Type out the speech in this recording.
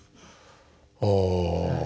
ああ。